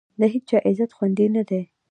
د هېچا عزت خوندي نه دی.